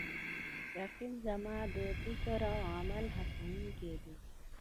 رقیب زما د فکر او عمل هڅوونکی دی